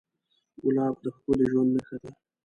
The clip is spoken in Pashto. ګلاب د ښکلي ژوند نښه ده.